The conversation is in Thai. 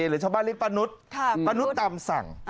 หรือชาวบ้านเรียกป้านุษย์ป้านุษย์ตามสั่ง